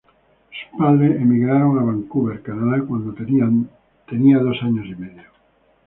Sus padres emigraron a Vancouver, Canadá, cuando tenía dos años y medio.